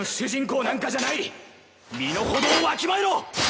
身の程をわきまえろ！